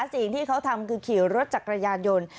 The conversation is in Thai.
สิ่งที่เขาทำคือขี่รถจักรยานยนต์